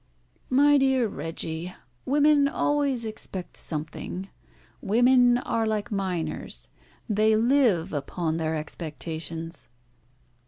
"My dear Reggie, women always expect something. Women are like minors, they live upon their expectations."